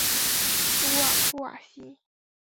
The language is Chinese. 鲁瓦布瓦西。